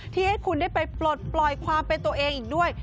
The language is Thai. ให้คุณได้ไปปลดปล่อยความเป็นตัวเองอีกด้วย